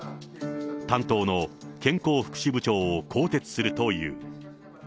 担当の健康福祉部長を更迭するという。